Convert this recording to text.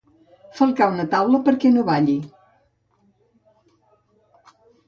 Falcar una taula perquè no balli.